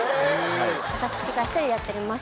私が１人でやっております